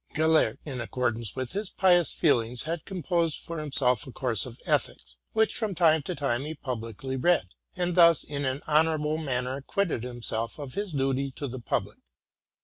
Gellert, in accordance with his pious feelings, had com posed for himself a course of ethics, which from time to time he publicly read, and thus in an honorable manner acquitted himself of his duty to the public.